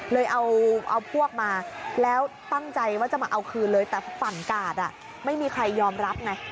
เลยเอาพวกมาแล้วตั้งใจว่าจะมาเอาคืนเลยแต่ฝั่งกาดไม่มีใครยอมรับไง